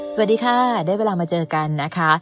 สวัสดีค่ะได้เวลามาเจอกันนะคะ